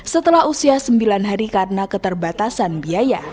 setelah usia sembilan hari karena keterbatasan biaya